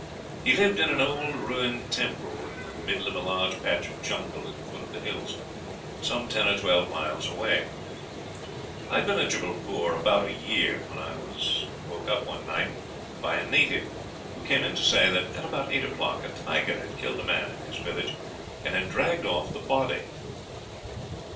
"He lived in an old ruined temple, in the middle of a large patch of jungle at the foot of the hills, some ten or twelve miles away. "I had been at Jubbalpore about a year, when I was woke up one night by a native, who came in to say that at about eight o'clock a tiger had killed a man in his village, and had dragged off the body.